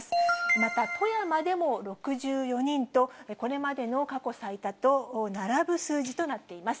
また、富山でも６４人と、これまでの過去最多と並ぶ数字となっています。